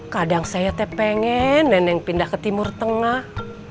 kadang saya pengen neneng pindah ke timur tengah